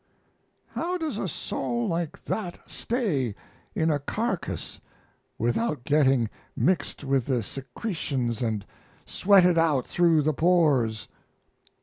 How does a soul like that stay in a carcass without getting mixed with the secretions and sweated out through the pores?